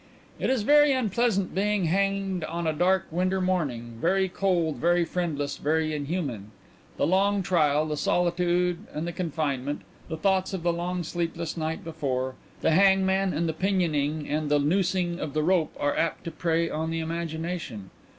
"It is very unpleasant being hanged on a dark winter morning; very cold, very friendless, very inhuman. The long trial, the solitude and the confinement, the thoughts of the long sleepless night before, the hangman and the pinioning and the noosing of the rope, are apt to prey on the imagination.